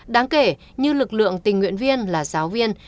đáng kể như lực lượng tình nguyện viên là giáo viên